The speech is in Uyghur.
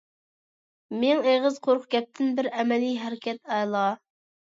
مىڭ ئېغىز قۇرۇق گەپتىن بىر ئەمەلىي ھەرىكەت ئەلا.